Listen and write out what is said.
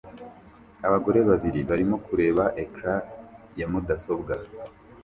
Abagore babiri barimo kureba ecran ya mudasobwa